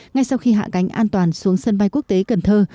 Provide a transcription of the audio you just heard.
ngay sau khi hạ cánh an toàn xuống sân bay quốc tế cần thơ